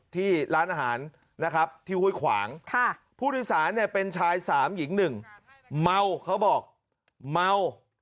ที่ร้านอาหารนะครับที่ห้วยขวางผู้โดยสารเนี่ยเป็นชาย๓หญิง๑เมาเขาบอกเมา